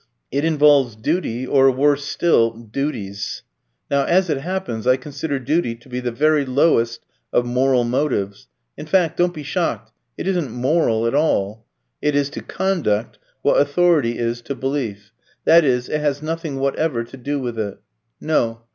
It involves duty, or, worse still, duties. Now, as it happens, I consider duty to be the very lowest of moral motives. In fact don't be shocked it isn't moral at all. It is to conduct what authority is to belief that is, it has nothing whatever to do with it. No.